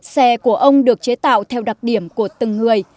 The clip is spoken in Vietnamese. xe của ông được chế tạo theo đặc điểm của từng người